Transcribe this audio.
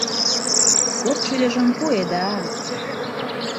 — Кок шюдужым пуэда...